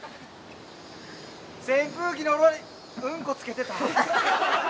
扇風機の裏にうんこつけてた？